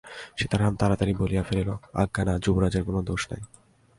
সীতারাম তাড়াতাড়ি বলিয়া ফেলিল, আজ্ঞা না, যুবরাজের কোনো দোষ নাই।